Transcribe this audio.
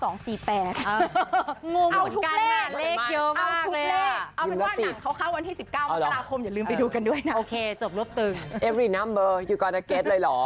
งงเหมือนกันเลขเยอะมากเลย